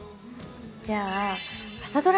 じゃあ「朝ドラ」